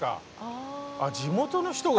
あっ地元の人が？